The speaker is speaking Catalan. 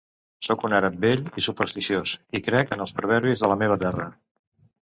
Soc un àrab vell i supersticiós, i crec en els proverbis de la meva terra.